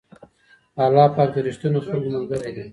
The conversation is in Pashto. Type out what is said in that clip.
الله پاک د رښتينو خلکو ملګری دی.